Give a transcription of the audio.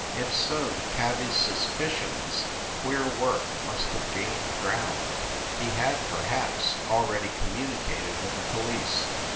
If so, the cabby s suspicions of queer work must have gained ground he had, per haps, already communicated with the police.